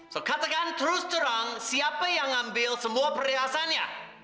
jadi katakan terus terang siapa yang ambil semua perhiasannya